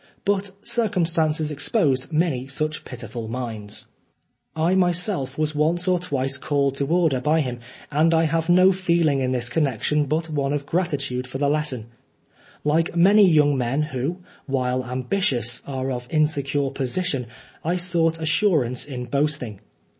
But circumstances exposed many such pitiful minds. 61 Oscar Wilde I myself was once or twice called to order by him, and I have no feeling in this connec tion but one of gratitude for the lesson. Like many young men who, while ambitious, are of insecure position, I sought assurance in boasting.